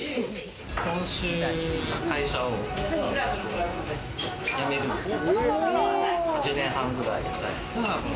今週、会社を辞めるんですよ。